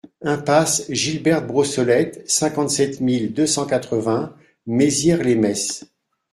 Impasse Gilberte Brossolette, cinquante-sept mille deux cent quatre-vingts Maizières-lès-Metz